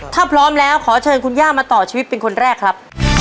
ถ้าพร้อมแล้วขอเชิญคุณย่ามาต่อชีวิตเป็นคนแรกครับ